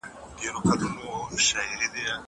که وخت وي، تمرين کوم!